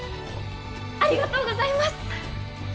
ありがとうございます！